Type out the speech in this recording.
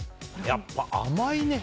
やっぱり甘いね！